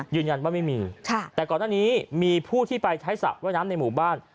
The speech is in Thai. ยืนยันว่าไม่มีแต่ก่อนหน้านี้มีผู้ที่ไปใช้สระว่ายน้ำในหมู่บ้าน